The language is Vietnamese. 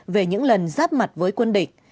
về những lần giáp mặt với quân địch